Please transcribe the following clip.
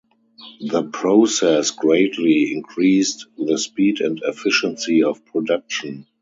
The process greatly increased the speed and efficiency of production.